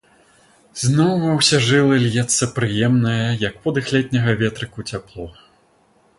Зноў ва ўсе жылы льецца прыемнае, як подых летняга ветрыку, цяпло.